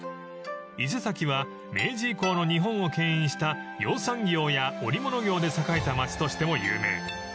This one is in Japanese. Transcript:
［伊勢崎は明治以降の日本をけん引した養蚕業や織物業で栄えた町としても有名］